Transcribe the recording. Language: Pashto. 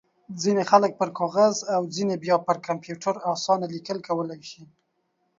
ځينې خلک پر کاغذ او ځينې بيا پر کمپيوټر اسانه ليک کولای شي.